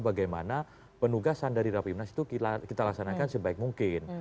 bagaimana penugasan dari rapimnas itu kita laksanakan sebaik mungkin